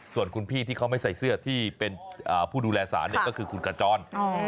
ส่วนคุณพี่ที่เขาไม่ใส่เสื้อที่เป็นผู้ดูแลสารก็คือคุณขจร